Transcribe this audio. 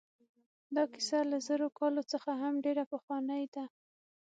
دا کیسه له زرو کالو څخه هم ډېره پخوانۍ ده.